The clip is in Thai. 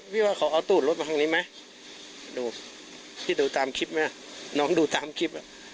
ว่าเขาเอาตูดรถมาทางนี้ไหมดูพี่ดูตามคลิปไหมน้องดูตามคลิปอ่ะ